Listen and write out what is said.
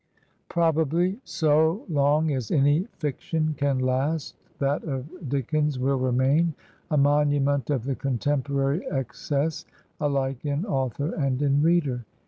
Probably so long as any fiction can last that of Dick ens will remain a monument of the contemporary ex cess alike in author and in reader.